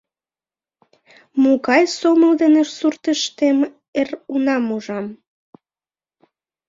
— Могай сомыл дене суртыштем эр унам ужам?